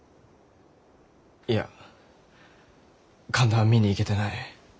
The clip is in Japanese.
いや神田は見に行けてない。